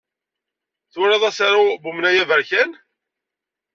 Twalaḍ asaru n Amnay Aberkan?